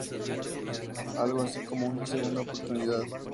Algo así como una segunda oportunidad.